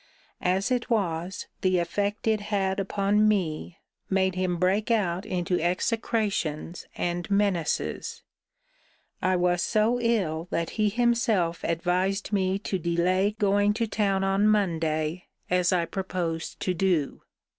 As it was, the effect it had upon me made him break out into execrations and menaces. I was so ill that he himself advised me to delay going to town on Monday, as I proposed to do.